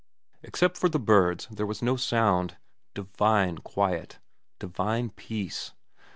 Except for the birds there was no sound. Divine quiet. Divine peace.